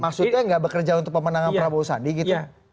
maksudnya gak bekerja untuk pemenang prabowo sandi gitu